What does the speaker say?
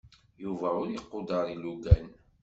Yuba ur iquder ilugan.